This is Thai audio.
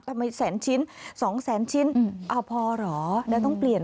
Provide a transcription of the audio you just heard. ทำไมมี๑๒แสนชิ้นพอเหรอใดต้องเปลี่ยน